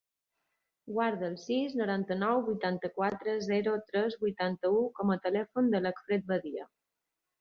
Guarda el sis, noranta-nou, vuitanta-quatre, zero, tres, vuitanta-u com a telèfon de l'Acfred Badia.